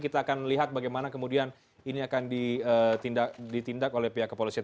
kita akan lihat bagaimana kemudian ini akan ditindak oleh pihak kepolisian